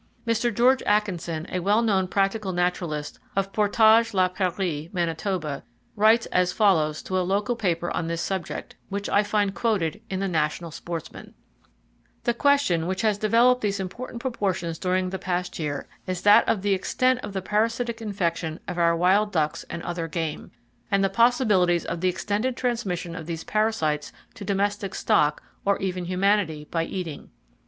Mr. Geo. Atkinson, a well known practical naturalist of Portage la Prairie, Manitoba, writes as follows to a local paper on this subject, which I find quoted in the National Sportsman: The question which has developed these important proportions during the past year is that of the extent of the parasitic infection of our wild ducks and other game, and the possibilities of the extended transmission of these parasites to domestic stock, or even humanity, by eating.